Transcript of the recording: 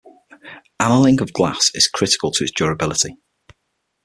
Annealing of glass is critical to its durability.